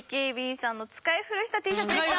ＢＫＢさんの使い古したＴシャツでした。